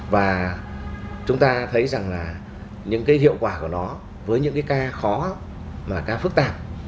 và chúng ta thấy rằng là những cái hiệu quả của nó với những cái ca khó mà ca phức tạp